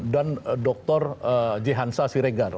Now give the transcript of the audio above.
dan dr jehansa siregar